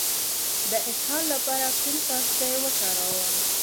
د اسهال لپاره کوم څاڅکي وکاروم؟